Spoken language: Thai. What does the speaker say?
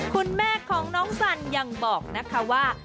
คุณแม่ของน้องสันยังบอกนะคะว่า